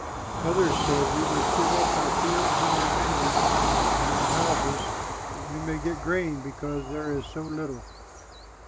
Others said, "We must give up our fields and our vineyards and our houses, that we may get grain because there is so little."